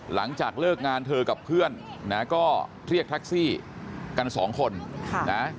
หลังจากเลิกงานเธอกับเพื่อนนะก็เรียกแท็กซี่กันสองคนนะ